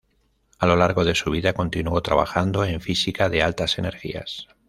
A lo largo de su vida, continuó trabajando en física de altas energías.